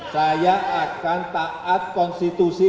saya akan taat konstitusi